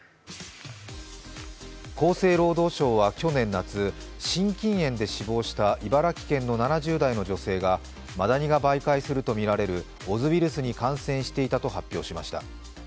厚生労働省は去年夏、心筋炎で死亡した茨城県の７０代の女性がマダニが媒介するとみられるオズウイルスに感染していたと発表しました。